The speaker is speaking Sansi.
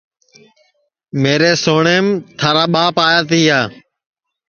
میرے سوٹؔیم تھارا ٻاپ آیا تِیا